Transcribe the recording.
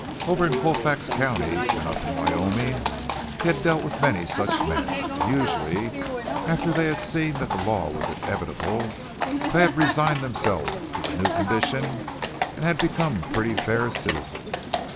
Over in Colfax County and up in Wyoming he had dealt with many such men, and usually, after they had seen that the law was inevitable, they had resigned themselves to the new condition and had become pretty fair citizens.